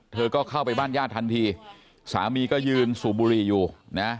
เธอก็เข้าไปบ้านญาติทันทีสามีก็ยืนสูบบุหรี่อยู่นะ